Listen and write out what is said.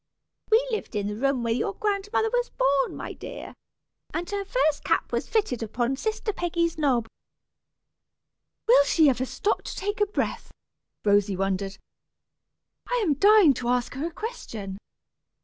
We lived in the room where your grandmother was born, my dear, and her first cap was fitted upon sister Peggy's knob " "Will she never stop to take breath," Rosy wondered. "I am dying to ask her a question.